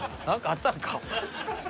何かあったんか？